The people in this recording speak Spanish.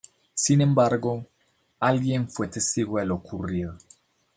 Sin embargo, alguien fue testigo de lo ocurrido.